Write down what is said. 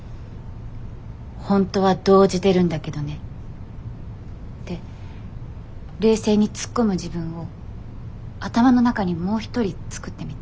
「本当は動じてるんだけどね」って冷静にツッコむ自分を頭の中にもう一人作ってみた。